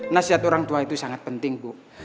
nasihat orang tua itu sangat penting bu